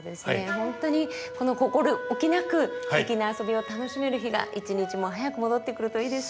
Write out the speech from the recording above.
本当にこの心おきなく粋な遊びを楽しめる日が一日も早く戻ってくるといいですね。